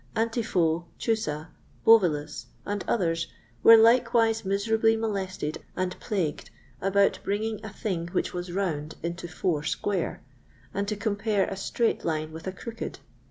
Antipho, Chusa, Bovillus, and others were likewise miserably molested and plagued about bringing a thing which was round into four square, and to compare a straight line with a crooked.